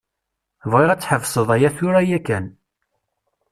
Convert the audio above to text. Bɣiɣ ad tḥebseḍ aya tura yakan.